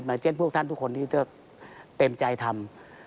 เช่นพวกท่านทุกคนที่จะเต็มใจทำ